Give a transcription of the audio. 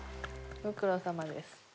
ご苦労さまです。